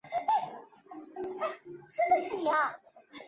北蒙是安阳最早的名称。